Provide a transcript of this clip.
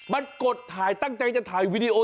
มันกดถ่ายตั้งใจจะถ่ายวีดีโอ